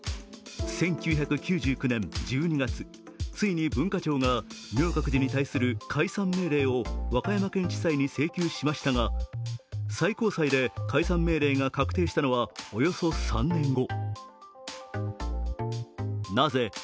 １９９９年１２月、ついに文化庁が明覚寺に対する解散命令を和歌山県地裁に請求しましたが、最高裁で解散命令が確定したのはおよそ３年後。